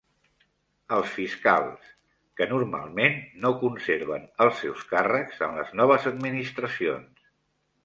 Els fiscals, que normalment no conserven els seus càrrecs en les noves administracions.